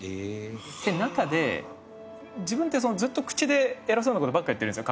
って中で自分ってずっと口で偉そうな事ばっか言ってるんですよ